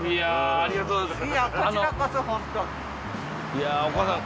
ありがとうございます